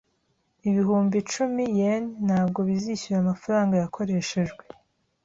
Ibihumbi icumi yen ntabwo bizishyura amafaranga yakoreshejwe.